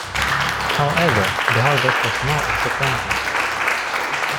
However, the harvest was not disappointing.